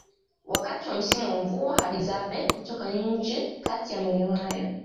Wakati wa msimu wa mvua Hadzabe hutoka nje kati ya maeneo haya